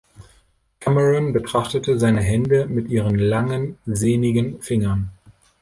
Cameron betrachtete seine Hände mit ihren langen, sehnigen Fingern.